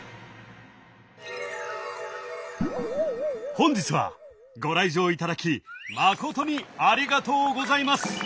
本日はご来場いただきまことにありがとうございます。